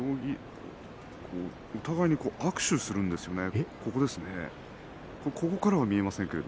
お互いに握手するんですよね